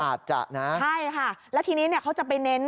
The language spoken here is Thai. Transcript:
อาจจะนะใช่ค่ะแล้วทีนี้เนี่ยเขาจะไปเน้น